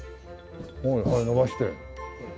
はいはい伸ばして。